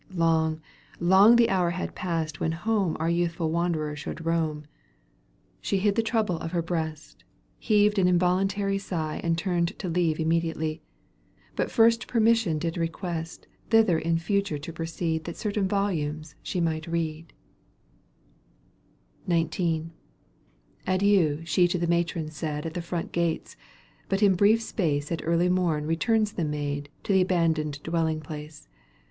Long, long the hour had past when home Our youthful wanderer should roam. She hid the trouble of her breast, \ Digitized by VjOOQ 1С 198 EUGENE ONJEGUINE. canto vn. Heaved on involuntary sigh And turned to leave immediately, But first permission did request Thither in future to proceed That certain volumes she might read, XIX. Adieu she to the matron said At the front gates, but in brief space '1 At early mom returns the maid To the abandoned dwelling place.